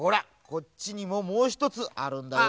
こっちにももうひとつあるんだよ。